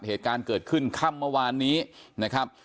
เหตุการณ์เกิดขึ้นค่ำเมื่อวานนี้นะครับ